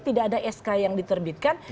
tidak ada sk yang diterbitkan